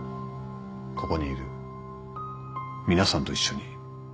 ここにいる皆さんと一緒に。